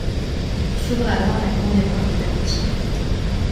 S'ouvre alors la grande époque de l'amitié.